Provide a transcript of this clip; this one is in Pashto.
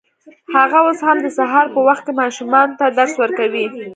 هغه اوس هم د سهار په وخت کې ماشومانو ته درس ورکوي